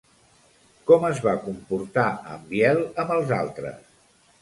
Com es va comportar en Biel amb els altres?